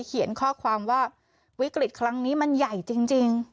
เขียนข้อความว่าวิกฤตครั้งนี้มันใหญ่จริง